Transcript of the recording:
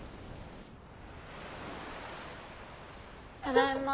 ただいま。